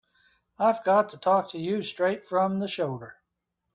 I've got to talk to you straight from the shoulder.